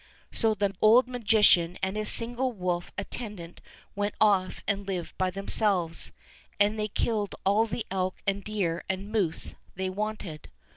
So the old magician and his single wolf attendant went off and lived by themselves, and they killed all the elk and deer and moose they wanted.